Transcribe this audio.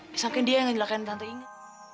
misalkan dia yang nganjurkan tante inga